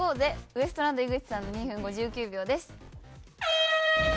ウエストランド井口さんの２分５９秒です。